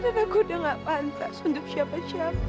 dan aku udah gak pantas untuk siapa siapa